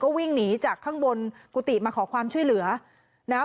วิ่งหนีจากข้างบนกุฏิมาขอความช่วยเหลือนะครับ